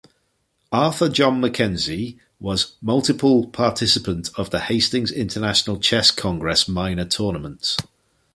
Arthur John Mackenzie was multiple participant of the Hastings International Chess Congress minor tournaments.